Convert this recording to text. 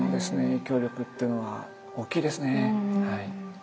影響力っていうのは大きいですねはい。